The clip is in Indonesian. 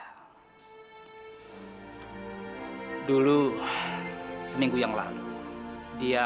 saya juga ingin mencari saskia